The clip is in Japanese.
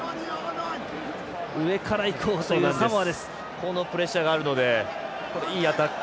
このプレッシャーがあるのでいいアタック。